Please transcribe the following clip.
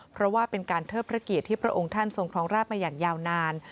เพราะว่าเป็นการเทิดพระเกียรติที่พระองค์ท่านทรงครองราชมาอย่างยาวนาน